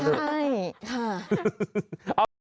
ใช่ค่ะ